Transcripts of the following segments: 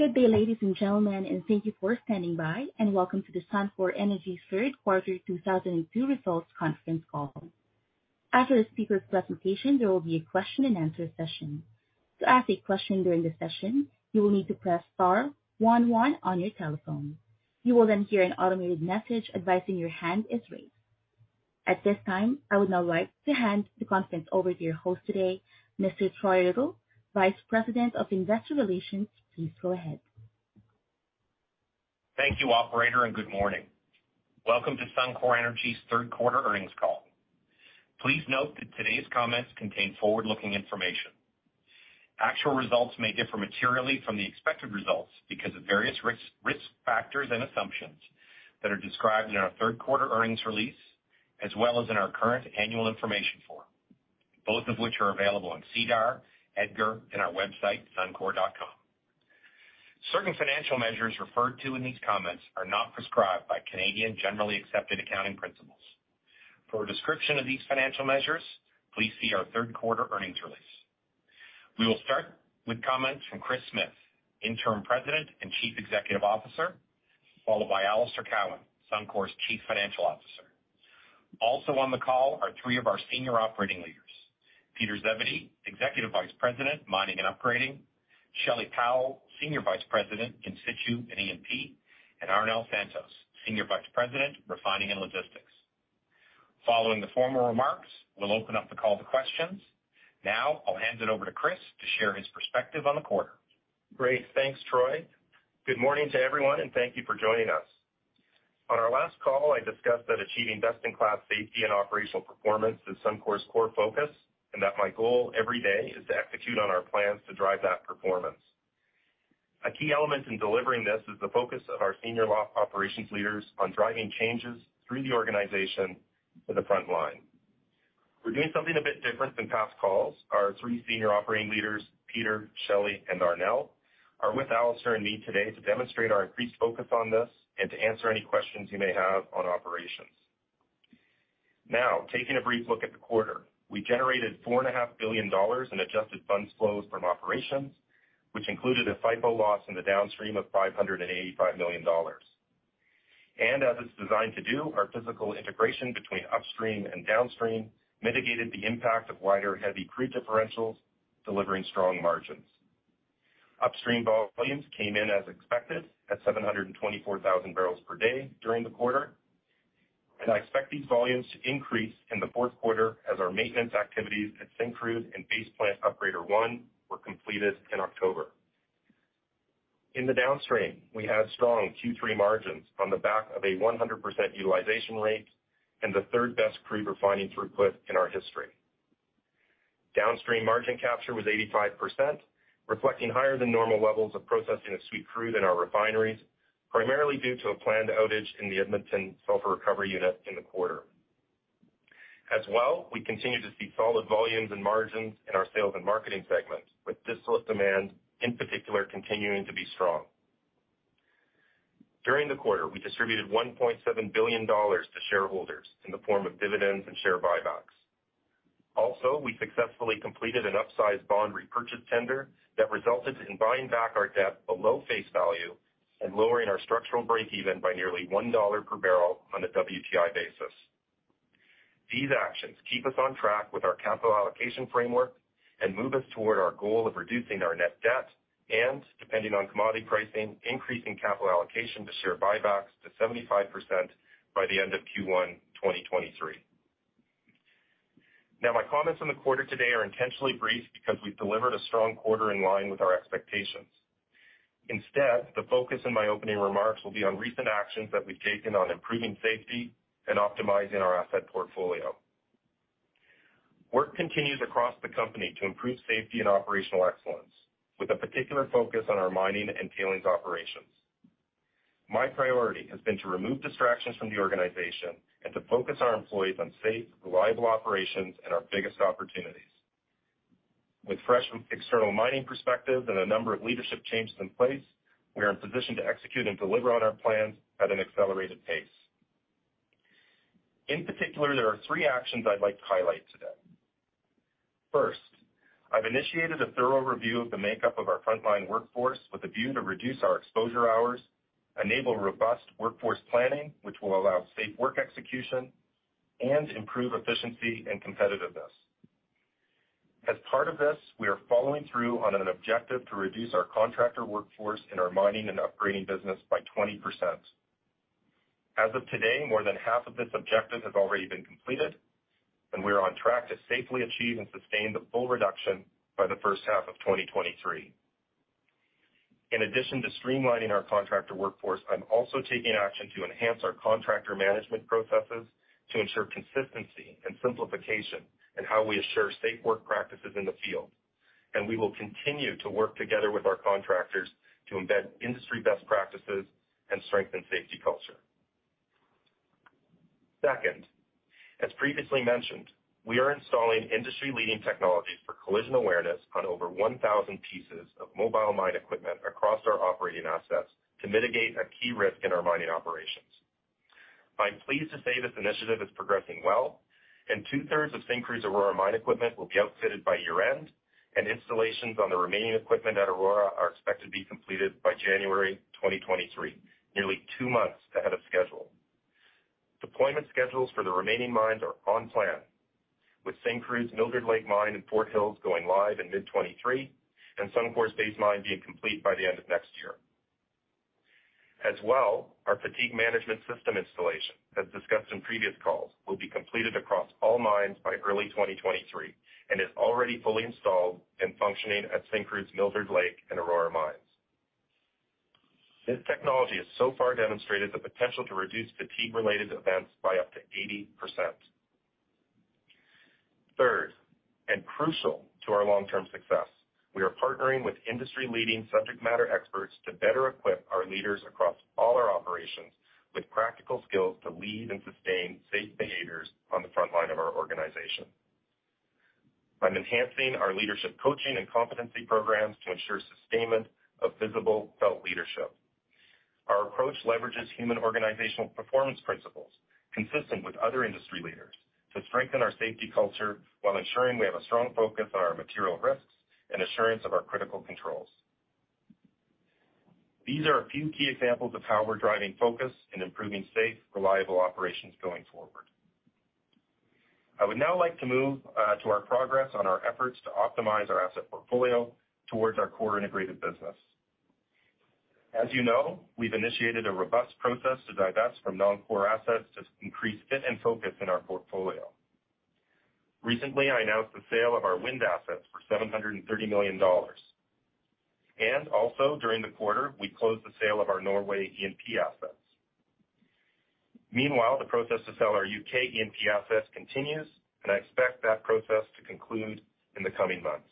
Good day, ladies and gentlemen, and thank you for standing by. Welcome to the Suncor Energy Third Quarter 2022 Results Conference Call. After the speaker's presentation, there will be a question-and-answer session. To ask a question during the session, you will need to press star 1 1 on your telephone. You will then hear an automated message advising your hand is raised. At this time, I would now like to hand the conference over to your host today, Mr. Troy Little, Vice President of Investor Relations. Please go ahead. Thank you, operator, and good morning. Welcome to Suncor Energy's third quarter earnings call. Please note that today's comments contain forward-looking information. Actual results may differ materially from the expected results because of various risks, risk factors and assumptions that are described in our third quarter earnings release, as well as in our current annual information form, both of which are available on SEDAR, EDGAR, and our website, Suncor.com. Certain financial measures referred to in these comments are not prescribed by Canadian generally accepted accounting principles. For a description of these financial measures, please see our third quarter earnings release. We will start with comments from Kris Smith, Interim President and Chief Executive Officer, followed by Alister Cowan, Suncor's Chief Financial Officer. Also on the call are three of our senior operating leaders, Peter Zebedee, Executive Vice President, Mining and Upgrading, Shelley Powell, Senior Vice President, In-situ and E&P, and Arnel Santos, Senior Vice President, Refining and Logistics. Following the formal remarks, we'll open up the call to questions. Now, I'll hand it over to Kris to share his perspective on the quarter. Great. Thanks, Troy. Good morning to everyone, and thank you for joining us. On our last call, I discussed that achieving best-in-class safety and operational performance is Suncor's core focus, and that my goal every day is to execute on our plans to drive that performance. A key element in delivering this is the focus of our senior leadership and operations leaders on driving changes through the organization to the front line. We're doing something a bit different than past calls. Our three senior operating leaders, Peter, Shelley, and Arnel, are with Alister and me today to demonstrate our increased focus on this and to answer any questions you may have on operations. Now, taking a brief look at the quarter. We generated 4.5 billion dollars in adjusted funds flows from operations, which included a FIFO loss in the downstream of 585 million dollars. As it's designed to do, our physical integration between upstream and downstream mitigated the impact of wider, heavy crude differentials, delivering strong margins. Upstream volumes came in as expected at 724,000 barrels per day during the quarter, and I expect these volumes to increase in the fourth quarter as our maintenance activities at Syncrude and Base Plant Upgrader 1 were completed in October. In the downstream, we had strong Q3 margins on the back of a 100% utilization rate and the third-best crude refining throughput in our history. Downstream margin capture was 85%, reflecting higher than normal levels of processing of sweet crude in our refineries, primarily due to a planned outage in the Edmonton sulfur recovery unit in the quarter. We continue to see solid volumes and margins in our sales and marketing segments with distillate demand, in particular, continuing to be strong. During the quarter, we distributed 1.7 billion dollars to shareholders in the form of dividends and share buybacks. Also, we successfully completed an upsized bond repurchase tender that resulted in buying back our debt below face value and lowering our structural breakeven by nearly $1 per barrel on a WTI basis. These actions keep us on track with our capital allocation framework and move us toward our goal of reducing our net debt and, depending on commodity pricing, increasing capital allocation to share buybacks to 75% by the end of Q1 2023. Now, my comments on the quarter today are intentionally brief because we've delivered a strong quarter in line with our expectations. Instead, the focus in my opening remarks will be on recent actions that we've taken on improving safety and optimizing our asset portfolio. Work continues across the company to improve safety and operational excellence with a particular focus on our mining and tailings operations. My priority has been to remove distractions from the organization and to focus our employees on safe, reliable operations and our biggest opportunities. With fresh external mining perspectives and a number of leadership changes in place, we are in position to execute and deliver on our plans at an accelerated pace. In particular, there are three actions I'd like to highlight today. First, I've initiated a thorough review of the makeup of our frontline workforce with a view to reduce our exposure hours, enable robust workforce planning, which will allow safe work execution, and improve efficiency and competitiveness. As part of this, we are following through on an objective to reduce our contractor workforce in our mining and upgrading business by 20%. As of today, more than half of this objective has already been completed, and we are on track to safely achieve and sustain the full reduction by the first half of 2023. In addition to streamlining our contractor workforce, I'm also taking action to enhance our contractor management processes to ensure consistency and simplification in how we assure safe work practices in the field. We will continue to work together with our contractors to embed industry best practices and strengthen safety culture. Second, as previously mentioned, we are installing industry-leading technologies for collision awareness on over 1,000 pieces of mobile mine equipment across our operating assets to mitigate a key risk in our mining operations. I'm pleased to say this initiative is progressing well, and two-thirds of Syncrude Aurora mine equipment will be outfitted by year-end, and installations on the remaining equipment at Aurora are expected to be completed by January 2023, nearly two months ahead of schedule. Deployment schedules for the remaining mines are on plan, with Syncrude Mildred Lake mine and Fort Hills going live in mid-2023 and Suncor's Base mine being complete by the end of next year. As well, our fatigue management system installation, as discussed in previous calls, will be completed across all mines by early 2023 and is already fully installed and functioning at Syncrude Mildred Lake and Aurora mines. This technology has so far demonstrated the potential to reduce fatigue-related events by up to 80%. Third, and crucial to our long-term success, we are partnering with industry-leading subject matter experts to better equip our leaders across all our operations with practical skills to lead and sustain safe behaviors on the front line of our organization. I'm enhancing our leadership coaching and competency programs to ensure sustainment of visible, felt leadership. Our approach leverages human organizational performance principles consistent with other industry leaders to strengthen our safety culture while ensuring we have a strong focus on our material risks and assurance of our critical controls. These are a few key examples of how we're driving focus and improving safe, reliable operations going forward. I would now like to move to our progress on our efforts to optimize our asset portfolio towards our core integrated business. As you know, we've initiated a robust process to divest from non-core assets to increase fit and focus in our portfolio. Recently, I announced the sale of our wind assets for 730 million dollars. During the quarter, we closed the sale of our Norway E&P assets. Meanwhile, the process to sell our U.K. E&P assets continues, and I expect that process to conclude in the coming months.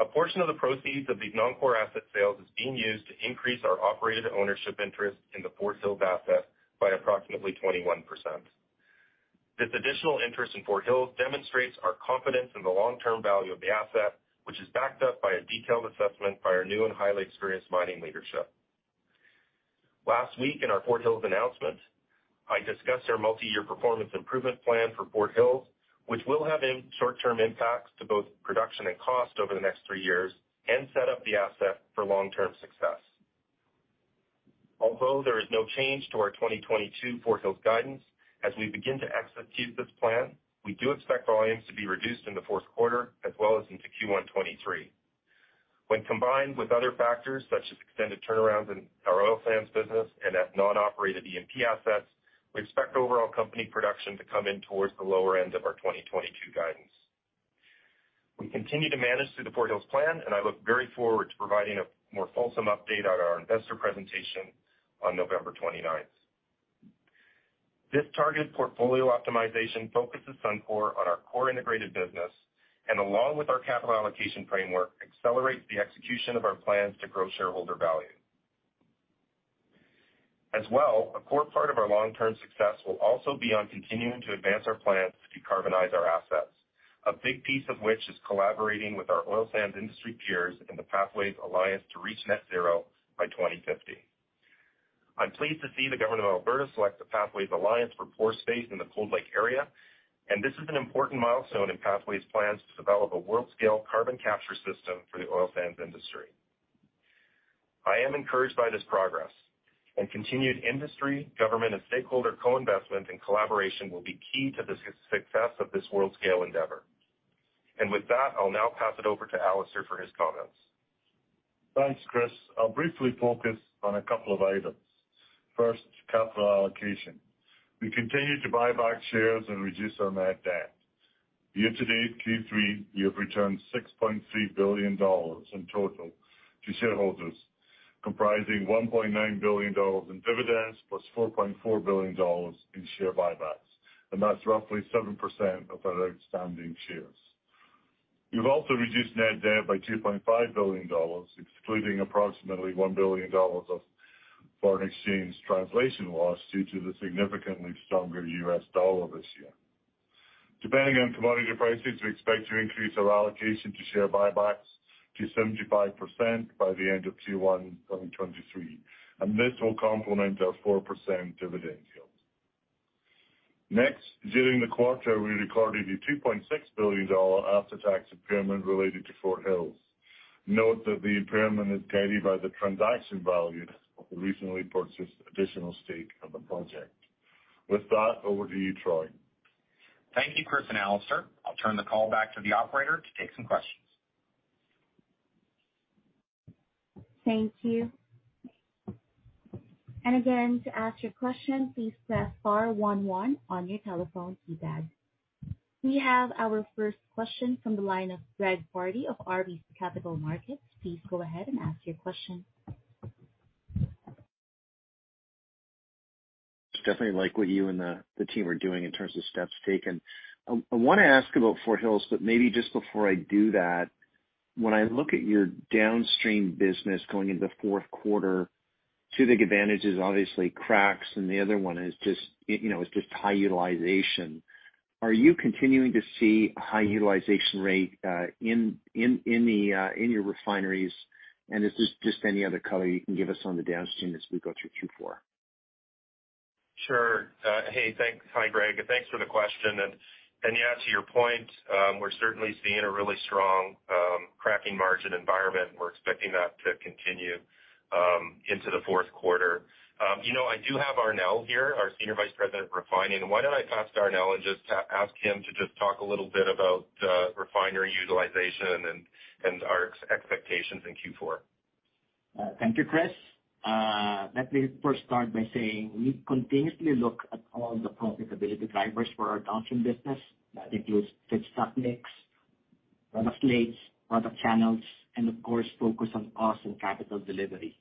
A portion of the proceeds of these non-core asset sales is being used to increase our operated ownership interest in the Fort Hills asset by approximately 21%. This additional interest in Fort Hills demonstrates our confidence in the long-term value of the asset, which is backed up by a detailed assessment by our new and highly experienced mining leadership. Last week, in our Fort Hills announcement, I discussed our multiyear performance improvement plan for Fort Hills, which will have short-term impacts to both production and cost over the next three years and set up the asset for long-term success. Although there is no change to our 2022 Fort Hills guidance, as we begin to execute this plan, we do expect volumes to be reduced in the fourth quarter as well as into Q1 2023. When combined with other factors, such as extended turnarounds in our oil sands business and at non-operated E&P assets, we expect overall company production to come in towards the lower end of our 2022 guidance. We continue to manage through the Fort Hills plan, and I look very forward to providing a more fulsome update at our investor presentation on November 29th. This targeted portfolio optimization focuses Suncor on our core integrated business and along with our capital allocation framework, accelerates the execution of our plans to grow shareholder value. As well, a core part of our long-term success will also be on continuing to advance our plans to decarbonize our assets, a big piece of which is collaborating with our oil sands industry peers in the Pathways Alliance to reach net zero by 2050. I'm pleased to see the government of Alberta select the Pathways Alliance for pore space in the Cold Lake area, and this is an important milestone in Pathways' plans to develop a world-scale carbon capture system for the oil sands industry. I am encouraged by this progress and continued industry, government, and stakeholder co-investment and collaboration will be key to the success of this world-scale endeavor. With that, I'll now pass it over to Alister for his comments. Thanks, Kris. I'll briefly focus on a couple of items. First, capital allocation. We continue to buy back shares and reduce our net debt. Year to date, Q3, we have returned 6.3 billion dollars in total to shareholders, comprising 1.9 billion dollars in dividends plus 4.4 billion dollars in share buybacks, and that's roughly 7% of our outstanding shares. We've also reduced net debt by 2.5 billion dollars, excluding approximately 1 billion dollars of foreign exchange translation loss due to the significantly stronger U.S. dollar this year. Depending on commodity prices, we expect to increase our allocation to share buybacks to 75% by the end of Q1 2023, and this will complement our 4% dividend yield. Next, during the quarter, we recorded a 2.6 billion dollar after-tax impairment related to Fort Hills. Note that the impairment is carried by the transaction value of the recently purchased additional stake of the project. With that, over to you, Troy. Thank you, Kris and Alister. I'll turn the call back to the operator to take some questions. Thank you. Again, to ask your question, please press star one one on your telephone keypad. We have our first question from the line of Greg Pardy of RBC Capital Markets. Please go ahead and ask your question. Definitely like what you and the team are doing in terms of steps taken. I wanna ask about Fort Hills, but maybe just before I do that, when I look at your downstream business going into the fourth quarter, two big advantages, obviously cracks, and the other one is just, you know, high utilization. Are you continuing to see a high utilization rate in your refineries? Is there just any other color you can give us on the downstream as we go through Q4? Sure. Hey, thanks. Hi, Greg, thanks for the question. Yeah, to your point, we're certainly seeing a really strong cracking margin environment. We're expecting that to continue into the fourth quarter. You know, I do have Arnel here, our Senior Vice President of Refining. Why don't I pass to Arnel and just ask him to just talk a little bit about refinery utilization and our expectations in Q4. Thank you, Kris. Let me first start by saying we continuously look at all the profitability drivers for our downstream business. That includes fixed stock mix, product slates, product channels, and of course focus on awesome capital delivery.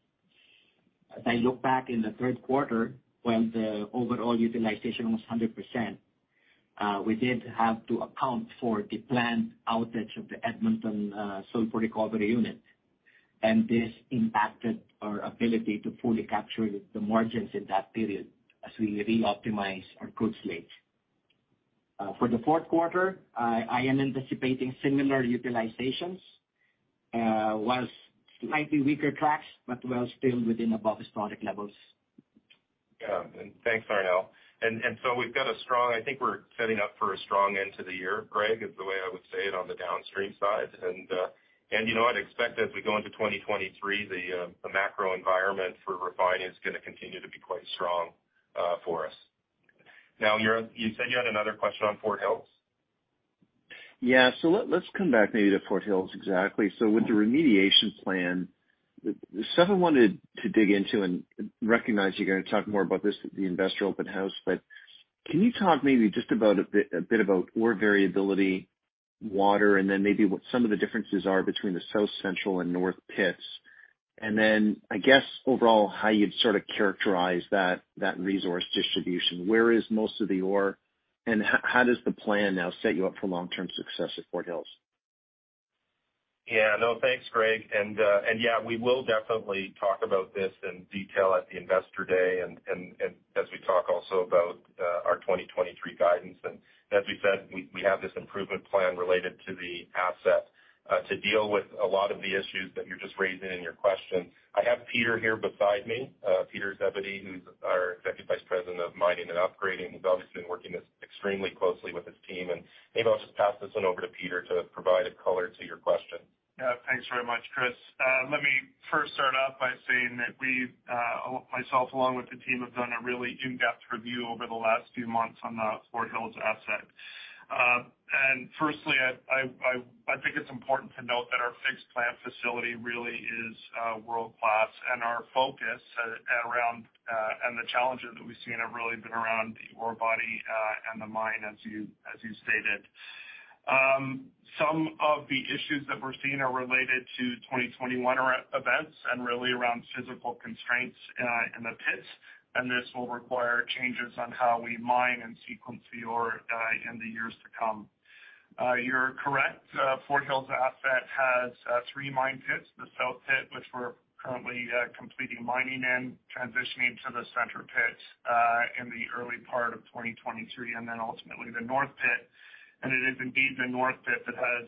As I look back in the third quarter when the overall utilization was 100%, we did have to account for the planned outage of the Edmonton Sulfur Recovery Unit, and this impacted our ability to fully capture the margins in that period as we reoptimize our crude slate. For the fourth quarter, I am anticipating similar utilizations, while slightly weaker cracks, but still well above historic levels. Yeah. Thanks, Arnel. I think we're setting up for a strong end to the year, Greg, is the way I would say it on the downstream side. You know, I'd expect as we go into 2023, the macro environment for refining is gonna continue to be quite strong for us. Now, you said you had another question on Fort Hills. Let's come back maybe to Fort Hills exactly. With the remediation plan, there's several I wanted to dig into and recognize you're gonna talk more about this at the investor open house. Can you talk maybe just about a bit about ore variability, water, and then maybe what some of the differences are between the South Central and North pits. Then, I guess, overall, how you'd sort of characterize that resource distribution. Where is most of the ore, and how does the plan now set you up for long-term success at Fort Hills? Yeah. No, thanks, Greg. Yeah, we will definitely talk about this in detail at the Investor Day and as we talk also about our 2023 guidance. As we said, we have this improvement plan related to the asset to deal with a lot of the issues that you're just raising in your question. I have Peter here beside me, Peter Zebedee, who's our Executive Vice President of Mining and Upgrading, who's obviously been working extremely closely with his team. Maybe I'll just pass this one over to Peter to provide a color to your question. Yeah. Thanks very much, Kris. Let me first start off by saying that we've myself along with the team have done a really in-depth review over the last few months on the Fort Hills asset. Firstly, I think it's important to note that our fixed plant facility really is world-class, and our focus around and the challenges that we've seen have really been around the ore body and the mine, as you stated. Some of the issues that we're seeing are related to 2021 events and really around physical constraints in the pits, and this will require changes on how we mine and sequence the ore in the years to come. You're correct. Fort Hills asset has three mine pits, the South pit, which we're currently completing mining in, transitioning to the center pit in the early part of 2023, and then ultimately the North pit. It is indeed the North pit that has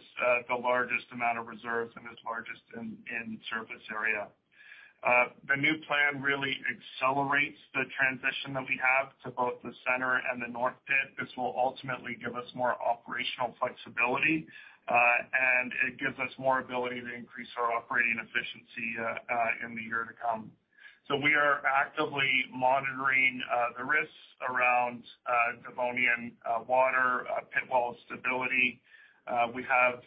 the largest amount of reserves and is largest in surface area. The new plan really accelerates the transition that we have to both the center and the North pit. This will ultimately give us more operational flexibility, and it gives us more ability to increase our operating efficiency in the year to come. We are actively monitoring the risks around Devonian water pit wall stability. We have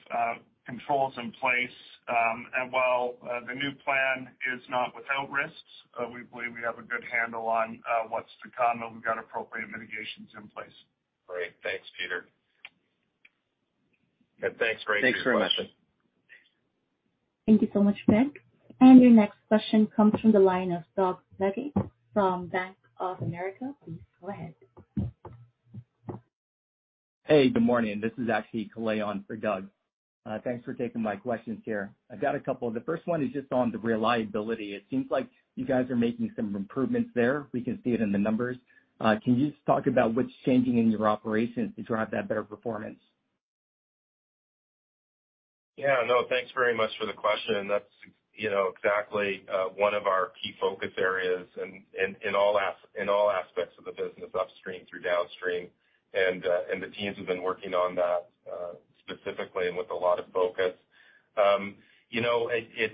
controls in place, and while the new plan is not without risks, we believe we have a good handle on what's to come, and we've got appropriate mitigations in place. Great. Thanks, Peter. Thanks, Greg, for your question. Thanks very much. Thank you so much, Greg. Your next question comes from the line of Doug Leggate from Bank of America. Please go ahead. Hey, good morning. This is actually Kalei Akamine for Doug Leggate. Thanks for taking my questions here. I've got a couple. The first one is just on the reliability. It seems like you guys are making some improvements there. We can see it in the numbers. Can you just talk about what's changing in your operations to drive that better performance? Yeah. No, thanks very much for the question. That's, you know, exactly one of our key focus areas in all aspects of the business, upstream through downstream. The teams have been working on that specifically and with a lot of focus. You know, it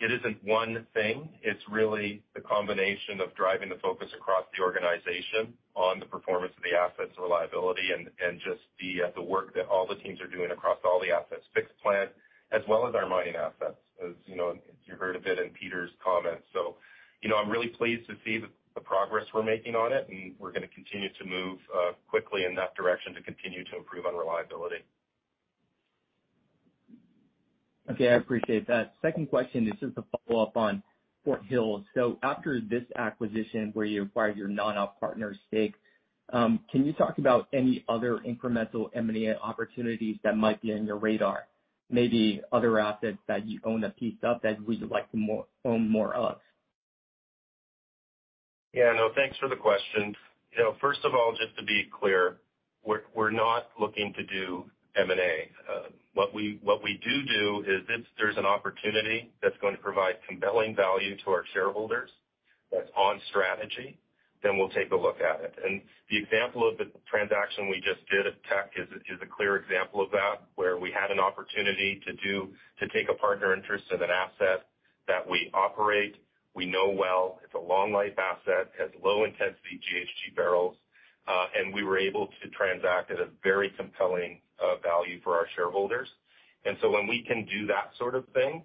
isn't one thing. It's really the combination of driving the focus across the organization on the performance of the assets reliability and just the work that all the teams are doing across all the assets, fixed plant, as well as our mining assets, as you know, you heard a bit in Peter's comments. You know, I'm really pleased to see the progress we're making on it, and we're gonna continue to move quickly in that direction to continue to improve on reliability. Okay. I appreciate that. Second question is just a follow-up on Fort Hills. After this acquisition where you acquired your non-op partner stake, can you talk about any other incremental M&A opportunities that might be on your radar? Maybe other assets that you own a piece of that we would like to own more of. Yeah. No, thanks for the questions. You know, first of all, just to be clear, we're not looking to do M&A. What we do is if there's an opportunity that's going to provide compelling value to our shareholders that's on strategy, then we'll take a look at it. The example of the transaction we just did at Teck is a clear example of that, where we had an opportunity to take a partner interest in an asset that we operate, we know well, it's a long life asset, has low intensity GHG barrels, and we were able to transact at a very compelling value for our shareholders. When we can do that sort of thing,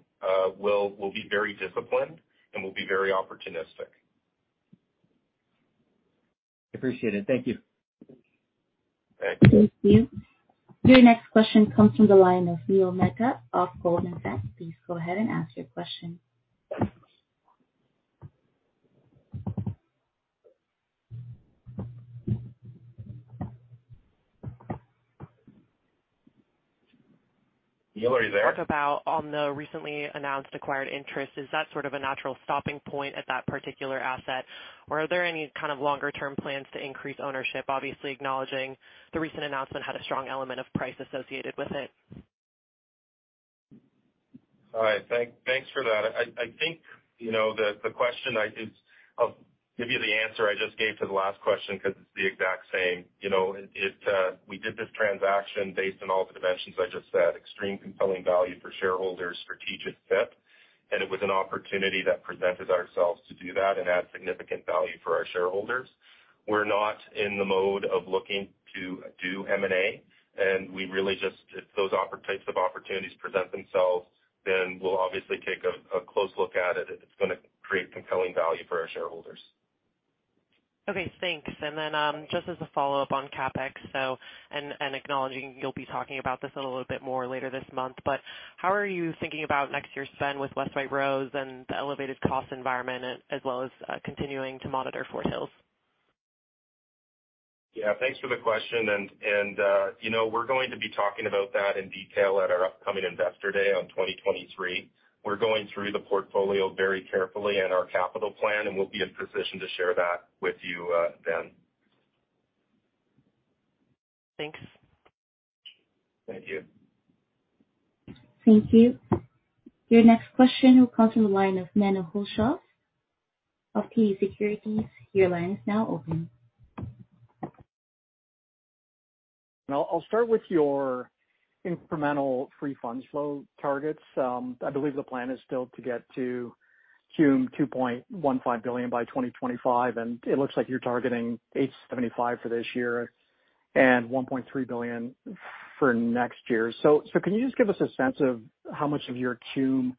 we'll be very disciplined, and we'll be very opportunistic. Appreciate it. Thank you. Thank you. Thank you. Your next question comes from the line of Neil Mehta of Goldman Sachs. Please go ahead and ask your question. Neil, are you there? Teck, about the recently announced acquired interest, is that sort of a natural stopping point at that particular asset? Or are there any kind of longer-term plans to increase ownership, obviously acknowledging the recent announcement had a strong element of price associated with it? All right. Thanks for that. I think you know the question is. I'll give you the answer I just gave to the last question because it's the exact same. You know, we did this transaction based on all the dimensions I just said, extreme compelling value for shareholders, strategic fit, and it was an opportunity that presented itself to do that and add significant value for our shareholders. We're not in the mode of looking to do M&A, and we really just if those types of opportunities present themselves, then we'll obviously take a close look at it if it's gonna create compelling value for our shareholders. Okay, thanks. Just as a follow-up on CapEx, acknowledging you'll be talking about this a little bit more later this month, but how are you thinking about next year's spend with West White Rose and the elevated cost environment as well as continuing to monitor Fort Hills? Yeah, thanks for the question. You know, we're going to be talking about that in detail at our upcoming Investor Day on 2023. We're going through the portfolio very carefully and our capital plan, and we'll be in position to share that with you, then. Thanks. Thank you. Thank you. Your next question will come from the line of Menno Hulshof of TD Securities. Your line is now open. I'll start with your incremental free funds flow targets. I believe the plan is still to get to cum 2.15 billion by 2025, and it looks like you're targeting 875 for this year and 1.3 billion for next year. Can you just give us a sense of how much of your cum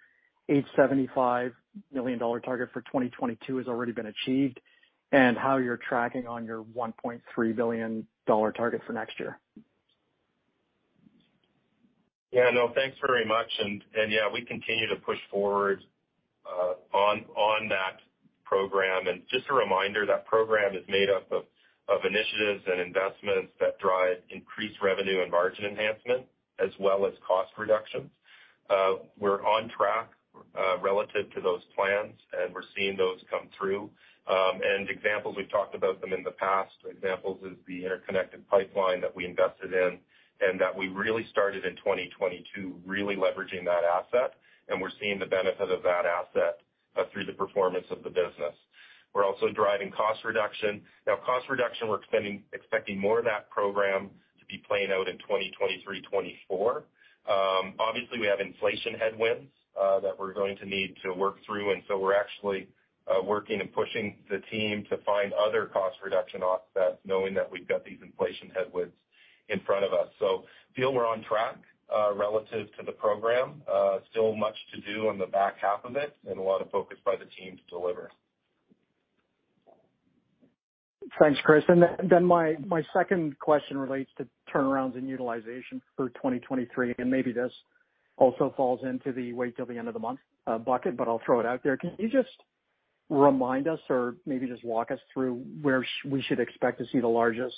875 million dollar target for 2022 has already been achieved and how you're tracking on your 1.3 billion dollar target for next year? Yeah, no, thanks very much. Yeah, we continue to push forward on that program. Just a reminder, that program is made up of initiatives and investments that drive increased revenue and margin enhancement as well as cost reductions. We're on track relative to those plans, and we're seeing those come through. Examples, we've talked about them in the past. An example is the interconnect pipeline that we invested in and that we really started in 2022 really leveraging that asset, and we're seeing the benefit of that asset through the performance of the business. We're also driving cost reduction. Now cost reduction, we're expecting more of that program to be playing out in 2023, 2024. Obviously, we have inflation headwinds that we're going to need to work through, and so we're actually working and pushing the team to find other cost reduction offsets knowing that we've got these inflation headwinds in front of us. We feel we're on track relative to the program. Still much to do on the back half of it and a lot of focus by the team to deliver. Thanks, Kris. My second question relates to turnarounds in utilization for 2023, and maybe this also falls into the wait till the end of the month bucket, but I'll throw it out there. Can you just remind us or maybe just walk us through where we should expect to see the largest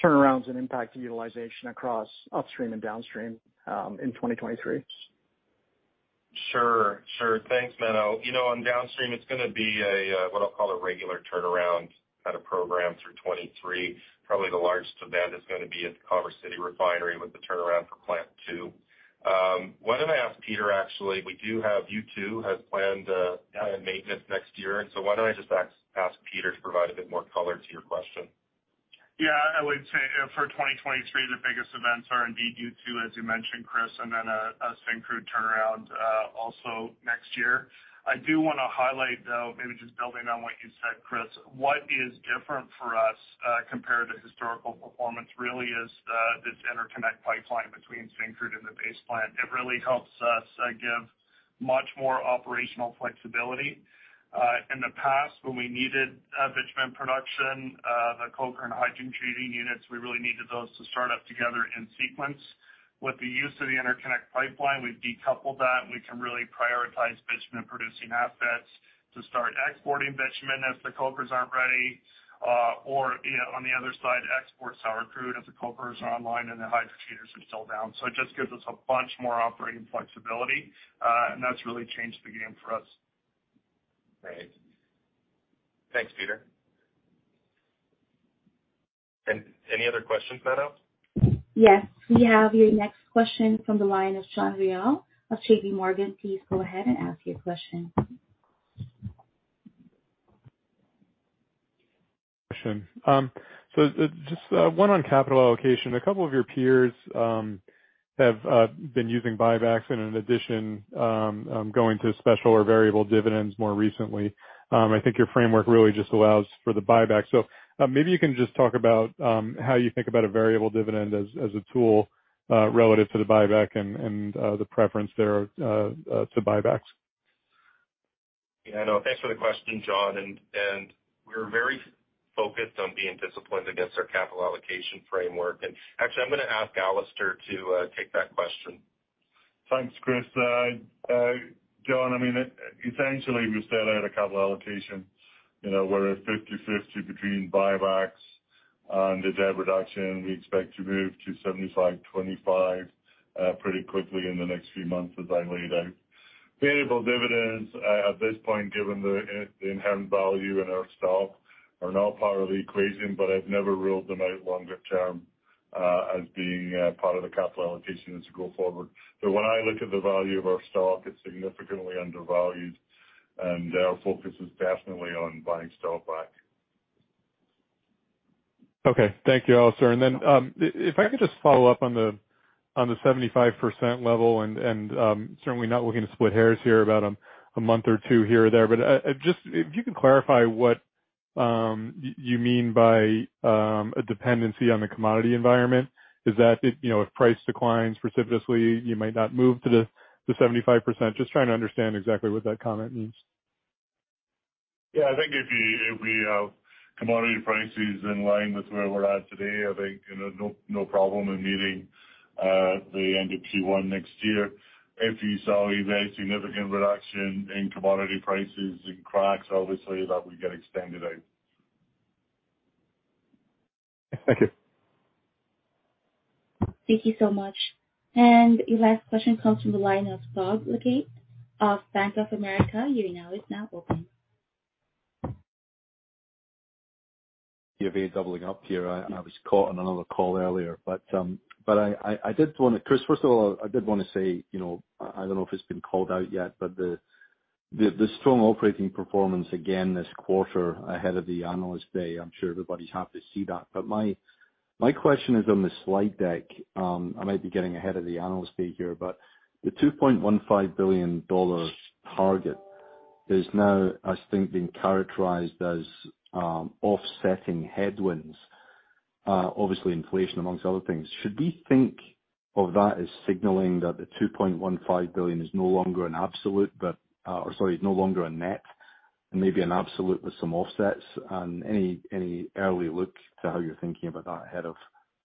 turnarounds and impact to utilization across upstream and downstream in 2023? Sure. Thanks, Menno. You know, on downstream, it's gonna be a what I'll call a regular turnaround kind of program through 2023. Probably the largest event is gonna be at the Commerce City Refinery with the turnaround for plant 2. Why don't I ask Peter, actually? We do have U2 as planned maintenance next year. Why don't I just ask Peter to provide a bit more color to your question? Yeah. I would say for 2023, the biggest events are indeed U2, as you mentioned, Kris, and then a Syncrude turnaround also next year. I do wanna highlight, though, maybe just building on what you said, Kris, what is different for us compared to historical performance really is this interconnect pipeline between Syncrude and the base plant. It really helps us give much more operational flexibility. In the past, when we needed bitumen production, the coker and hydrogen treating units, we really needed those to start up together in sequence. With the use of the interconnect pipeline, we've decoupled that, and we can really prioritize bitumen-producing assets to start exporting bitumen as the cokers aren't ready, or, you know, on the other side, export sour crude as the cokers are online and the hydrotreaters are still down. It just gives us a bunch more operating flexibility, and that's really changed the game for us. Great. Thanks, Peter. Any other question set up? Yes. We have your next question from the line of John Royall of JP Morgan. Please go ahead and ask your question. Question. Just one on capital allocation. A couple of your peers have been using buybacks and in addition going to special or variable dividends more recently. I think your framework really just allows for the buyback. Maybe you can just talk about how you think about a variable dividend as a tool relative to the buyback and the preference there to buybacks. Yeah, no, thanks for the question, John. We're very focused on being disciplined against our capital allocation framework. Actually, I'm gonna ask Alister to take that question. Thanks, Kris. John, I mean, essentially, we set out a capital allocation. You know, we're 50/50 between buybacks and the debt reduction. We expect to move to 75/25, pretty quickly in the next few months, as I laid out. Variable dividends, at this point, given the inherent value in our stock, are now part of the equation, but I've never ruled them out longer term, as being, part of the capital allocation as we go forward. When I look at the value of our stock, it's significantly undervalued, and our focus is definitely on buying stock back. Okay. Thank you, Alister. Then, if I could just follow up on the 75% level and, certainly not looking to split hairs here about a month or two here or there. But, just if you could clarify what you mean by a dependency on the commodity environment. Is that if, you know, if price declines precipitously, you might not move to the 75%? Just trying to understand exactly what that comment means. Yeah. I think if we have commodity prices in line with where we're at today, I think, you know, no problem in meeting the end of Q1 next year. If you saw a very significant reduction in commodity prices and cracks, obviously that would get extended out. Thank you. Thank you so much. The last question comes from the line of Doug Leggate of Bank of America. Your line is now open. You're doubling up here. I was caught in another call earlier, but I did want to, Kris, first of all, I did want to say, you know, I don't know if it's been called out yet, but the strong operating performance again this quarter ahead of the Analyst Day. I'm sure everybody's happy to see that. My question is on the slide deck. I might be getting ahead of the Analyst Day here, but the 2.15 billion dollar target is now, I think, being characterized as offsetting headwinds, obviously inflation among other things. Should we think of that as signaling that the 2.15 billion is no longer an absolute, or sorry, is no longer a net, and maybe an absolute with some offsets? Any early look to how you're thinking about that ahead of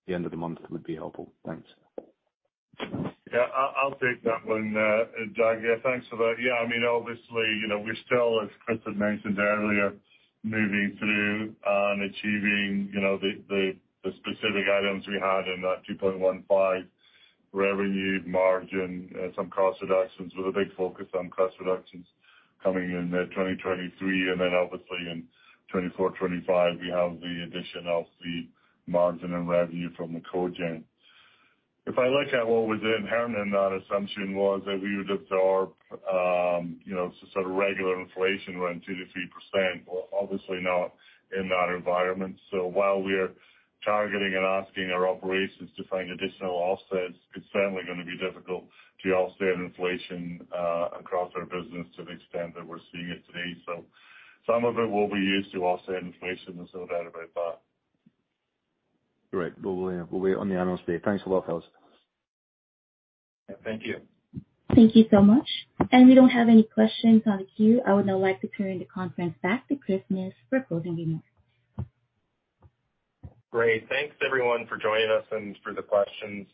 the end of the month would be helpful. Thanks. Yeah, I'll take that one, Doug. Yeah, thanks for that. Yeah, I mean, obviously, you know, we're still, as Kris had mentioned earlier, moving through on achieving, you know, the specific items we had in that 2.15 revenue margin, some cost reductions with a big focus on cost reductions coming in 2023. Then obviously in 2024/2025, we have the addition of the margin and revenue from the cogen. If I look at what was inherent in that assumption was that we would absorb, you know, sort of regular inflation around 2%-3%. We're obviously not in that environment. While we are targeting and asking our operations to find additional offsets, it's certainly gonna be difficult to offset inflation across our business to the extent that we're seeing it today. Some of it will be used to offset inflation, there's no doubt about that. Great. We'll wait on the Analyst Day. Thanks a lot, Alister. Thank you. Thank you so much. We don't have any questions on the queue. I would now like to turn the conference back to Kris Smith for closing remarks. Great. Thanks, everyone for joining us and for the questions.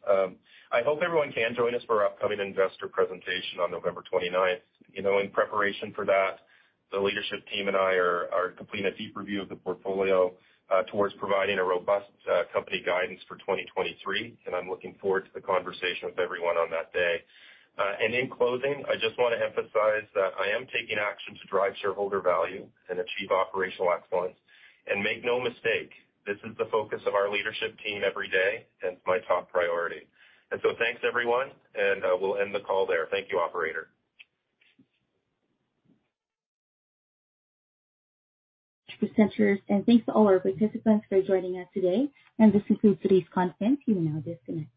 I hope everyone can join us for our upcoming investor presentation on November 29th. You know, in preparation for that, the leadership team and I are completing a deep review of the portfolio towards providing a robust company guidance for 2023, and I'm looking forward to the conversation with everyone on that day. In closing, I just wanna emphasize that I am taking action to drive shareholder value and achieve operational excellence. Make no mistake, this is the focus of our leadership team every day. That's my top priority. Thanks everyone, and we'll end the call there. Thank you, operator. Presenters, thanks to all our participants for joining us today. This concludes today's conference. You may now disconnect.